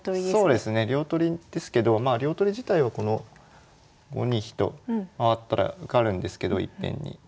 そうですね両取りですけど両取り自体はこの５二飛と回ったら受かるんですけどいっぺんに。